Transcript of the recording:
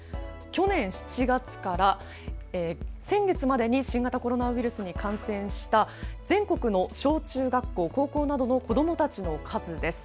去年７月から先月までに新型コロナウイルスウイルスに感染した全国の小中学校、高校などの子どもたちの数です。